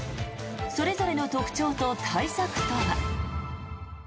それぞれの特徴と対策とは。